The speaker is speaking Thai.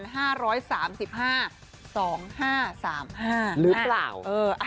หรือเปล่า